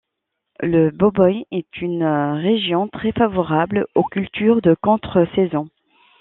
Le Boboye est une région très favorable aux cultures de contre saison.